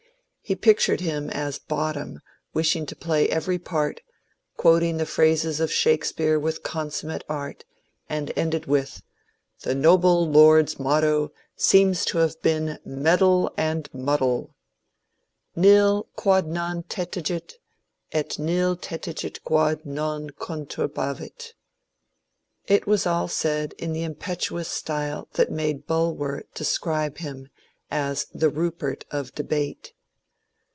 He pictured him as Bottom wishing to play every part, quoting the phrases of Shakespeare with consummate art, and ended with, ^^ The noble Lord's motto seems to have been ^ Meddle and Muddle.' NU quod non tetigit^ et nil tetigit quod non conturhavit.^^ It was all said in the impetuous style that made Bulwer describe him as ^^ the Rupert of debate."